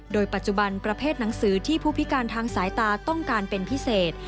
โดยปัจจุบันประเภทหนังสือที่ผู้พิการทางสายตาต้องการเป็นพิเศษ